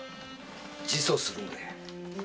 自訴するんでい。